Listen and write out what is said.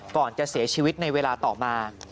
ก่อนจะเสียชีวิตในเวลาต่อมา